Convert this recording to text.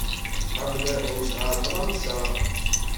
Qabel ad ḥewseɣ ar Fṛansa.